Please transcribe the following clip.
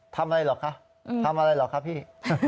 ทำอะไรหรอกคะทำอะไรหรอกครับพี่